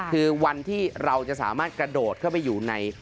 คือวันที่เราจะสามารถกระโดดเข้าไปอยู่ใน